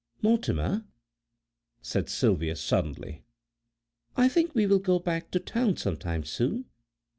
"Mortimer," said Sylvia suddenly, "I think we will go back to Town some time soon."